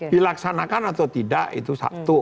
dilaksanakan atau tidak itu satu